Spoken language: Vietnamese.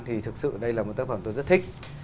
thì thực sự đây là một tác phẩm tôi rất thích